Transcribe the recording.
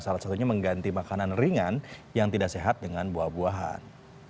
salah satunya mengganti makanan ringan yang tidak sehat dengan buah buahan